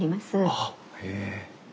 あっへえ。